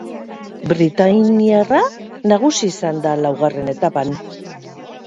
Britainiarra nagusi izan da laugarren etapan.